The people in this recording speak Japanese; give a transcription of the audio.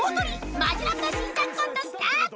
マヂラブの新作コントスタート